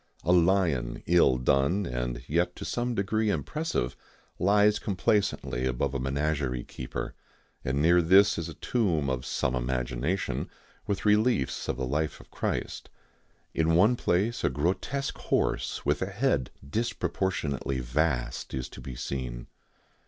A lion, ill done, and yet to some degree impressive, lies complacently above a menagerie keeper, and near this is a tomb of some imagination, with reliefs of the life of Christ. In one place a grotesque horse, with a head disproportionately vast, is to be seen.